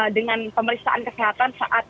dengan pemeriksaan kesehatan saat